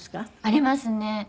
ありますね。